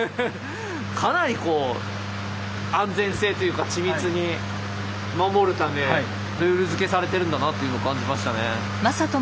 かなりこう安全性というか緻密に守るためルール付けされてるんだなっていうの感じましたね。